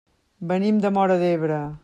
Venim de Móra d'Ebre.